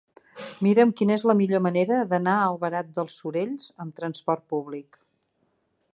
Mira'm quina és la millor manera d'anar a Albalat dels Sorells amb transport públic.